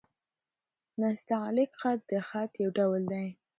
نستعلیق خط؛ د خط يو ډول دﺉ.